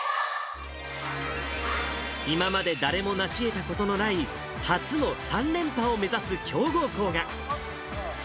今まで誰も成しえたことのない、初の３連覇を目指す強豪校が。